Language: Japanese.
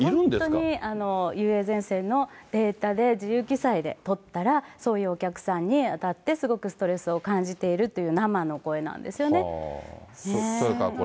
本当に、のデータで、自由記載でとったらそういうお客さんにあたって、すごくストレスを感じているという生それからこれ。